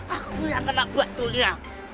aku yang kenak betulnya